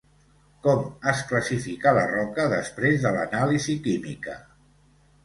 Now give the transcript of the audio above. Com es classifica la roca després de l'anàlisi química?